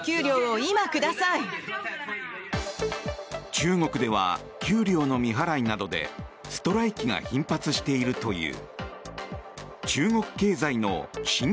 中国では給料の未払いなどでストライキが頻発しているという。